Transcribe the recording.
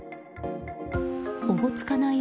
おぼつかない